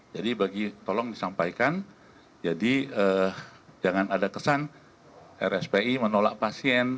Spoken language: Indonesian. jadi bagi tolong disampaikan jadi jangan ada kesan rspi menolak pasien